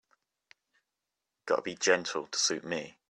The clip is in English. Gotta be gentle to suit me.